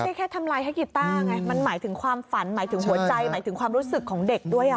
แค่ทำลายให้กีต้าไงมันหมายถึงความฝันหมายถึงหัวใจหมายถึงความรู้สึกของเด็กด้วย